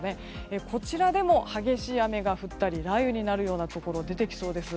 こちらでも激しい雨が降ったり雷雨になるようなところが出てきそうです。